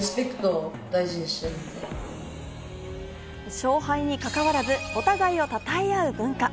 勝敗にかかわらずお互いを称え合う文化。